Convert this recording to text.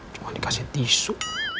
cuma dikasih tisu